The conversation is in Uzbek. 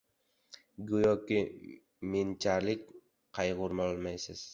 Go‘yoki menchalik qayg‘urolmaysiz.